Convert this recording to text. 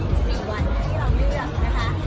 อีกซักวันที่เราไม่เจอนะคะ